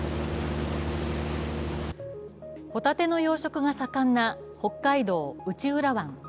ほたての養殖が盛んな北海道・内浦湾。